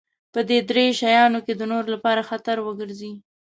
په دې درې شيانو کې د نورو لپاره خطر وګرځي.